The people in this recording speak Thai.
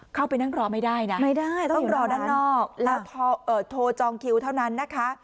เข้าไปนั่งรอไม่ได้นะไม่ได้ต้องรอด้านนอกแล้วโทรจองคิวเท่านั้นนะคะ